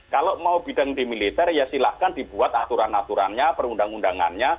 kalau mau bidang di militer ya silahkan dibuat aturan aturannya perundang undangannya